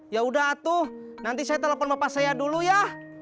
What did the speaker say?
yaudah atuh nanti saya telepon bapak saya dulu ya